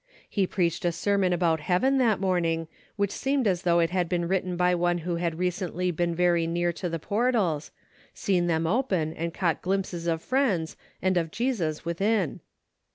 He preached a sermon about heaven that morn ing that seemed as though it had been written by one who had recently been very near to DAILY RATEA^ 321 the portals, seen them open and caught glimpses of friends, and of Jesus within.